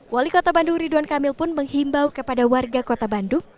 wali kota bandung ridwan kamil pun menghimbau kepada warga kota bandung